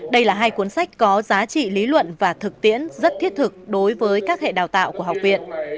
đây là hai cuốn sách có giá trị lý luận và thực tiễn rất thiết thực đối với các hệ đào tạo của học viện